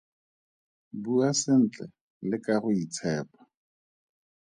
Bua sentle le ka go itshepa.